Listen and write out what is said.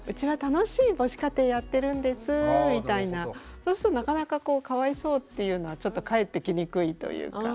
そうするとなかなかこうかわいそうっていうのは返ってきにくいというか。